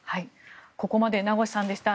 ここまで名越さんでした。